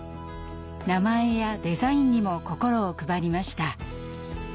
名前やデザインにも心を配りました。